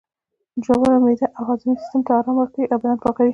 روژه معدې او هاضمې سیستم ته ارام ورکوي او بدن پاکوي